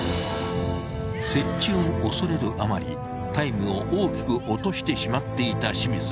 接地を恐れるあまりタイムを大きく落としてしまっていた清水。